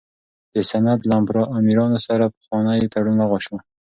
د سند له امیرانو سره پخوانی تړون لغوه شو.